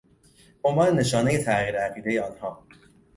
به عنوان نشانهی تغییر عقیدهی آنها